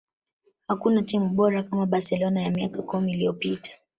hakuna timu bora kama barcelona ya miaka kumi iliyopita